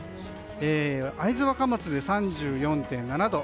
会津若松で３４．７度。